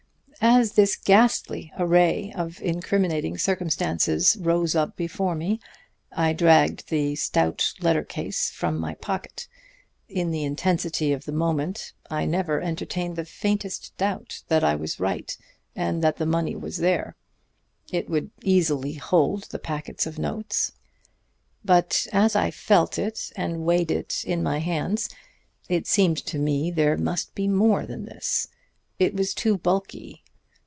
"As this ghastly array of incriminating circumstances rose up before me, I dragged the stout letter case from my pocket. In the intensity of the moment I never entertained the faintest doubt that I was right, and that the money was there. It would easily hold the packets of notes. But as I felt it and weighed it in my hands it seemed to me there must be more than this. It was too bulky.